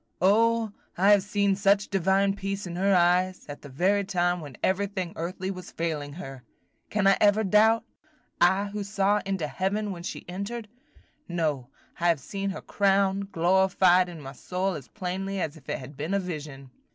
O, I have seen such divine peace in her eyes, at the very time when everything earthly was failing her! Can I ever doubt? I who saw into heaven when she entered? No, I have seen her crowned, glorified, in my soul as plainly as if it had been a vision."